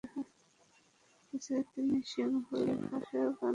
এছাড়া তিনি সিংহলি ভাষায়ও গান গেয়েছেন।